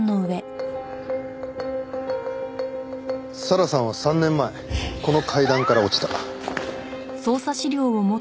咲良さんは３年前この階段から落ちた。